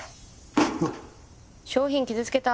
商品傷つけた。